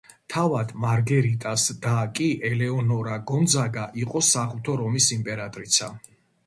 თავად მარგერიტას და კი, ელეონორა გონძაგა, იყო საღვთო რომის იმპერატრიცა.